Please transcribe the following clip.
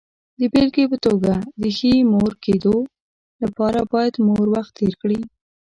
د بېلګې په توګه، د ښې مور کېدو لپاره باید مور وخت تېر کړي.